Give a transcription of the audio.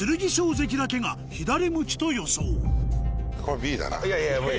関だけが左向きと予想